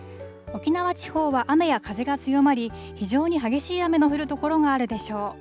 沖縄地方は雨や風が強まり、非常に激しい雨の降る所があるでしょう。